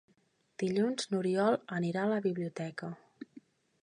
Dilluns n'Oriol anirà a la biblioteca.